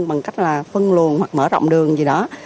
bằng cách là phân luồn hoặc mở rộng đường gì đó